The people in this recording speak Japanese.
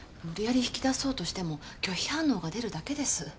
無理やり引き出そうとしても拒否反応が出るだけです。